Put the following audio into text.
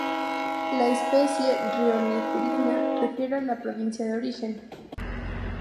La especie, rionegrina, refiere a la provincia de origen.